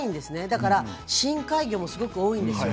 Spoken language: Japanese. だから深海魚もすごく多いんですよ。